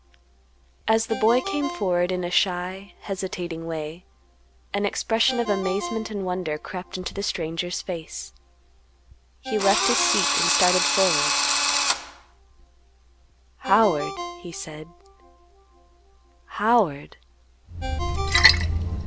As the boy came forward in a shy, hesitating way, an expression of amazement and wonder crept into the stranger's face; he left his seat and started forward. "Howard," he said; "Howard."